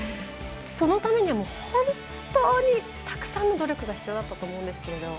そのために本当にたくさんの努力が必要だったと思うんですけども。